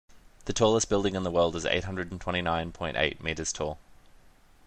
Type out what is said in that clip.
The tallest building in the world is eight hundred twenty nine point eight meters tall.